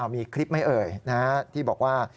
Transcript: มีคลิปใหม่เอ่ยนะครับที่บอกว่า